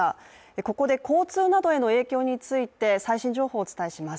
ここで交通などへの影響について最新の情報をお伝えします。